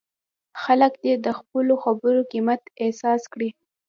خلک دې د خپلو خبرو قیمت احساس کړي.